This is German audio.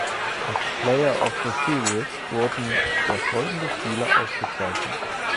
Als Player of the Series wurden der folgende Spieler ausgezeichnet.